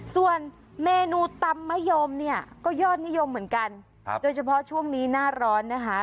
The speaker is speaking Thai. ส่วนเมนูตำมะยมเนี่ยก็ยอดนิยมเหมือนกันโดยเฉพาะช่วงนี้หน้าร้อนนะคะ